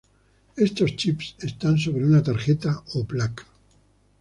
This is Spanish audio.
Estos chips están sobre una tarjeta o placa.